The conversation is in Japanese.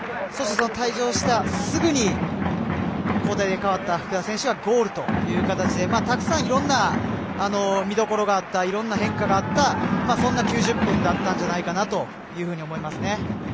そして、その退場してすぐに交代で代わった福田選手がゴールという形でたくさんいろんな見どころがあったいろんな変化があった、そんな９０分だったんじゃないかと思いますね。